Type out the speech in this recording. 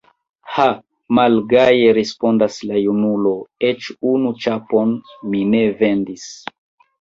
Ha, malgaje respondas la junulo, eĉ unu ĉapon mi ne vendis!